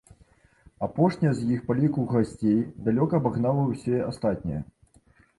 Апошняя з іх па ліку гасцей далёка абагнала ўсе астатнія.